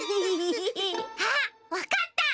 あっわかった！